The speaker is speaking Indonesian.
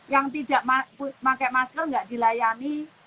yang tidak pakai masker nggak dilayani